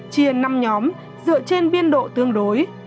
chia năm nhóm dựa trên biên độ tương đối